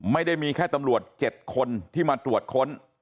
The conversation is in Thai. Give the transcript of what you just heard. ไม่ได้มีแค่ตำรวจ๗คนที่มาตรวจค้น